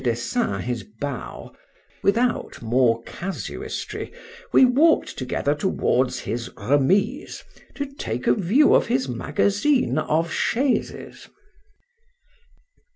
Dessein his bow, without more casuistry we walk'd together towards his Remise, to take a view of his magazine of chaises.